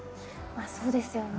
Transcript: まあそうですよね。